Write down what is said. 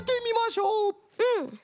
うん。